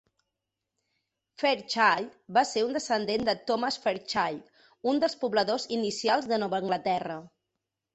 Fairchild va ser un descendent de Thomas Fairchild, un dels pobladors inicials de Nova Anglaterra.